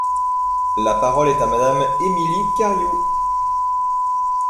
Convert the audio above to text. La parole est à Madame Émilie Cariou.